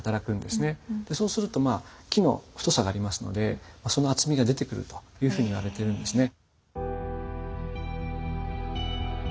そうするとまあ木の太さがありますのでその厚みが出てくるというふうにいわれているんですね。